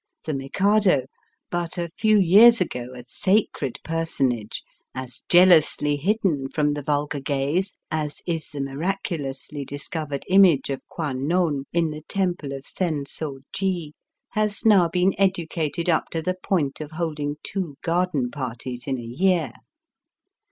The Mikado, but a few years ago a sacred personage as jealously hidden from the vulgar gaze as is the miraculously discovered image of Kwan'non in the Temple of Sen so ji, has now been educated up to the point of holding two garden parties in a year.